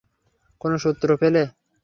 কোনো সূত্র পেলে?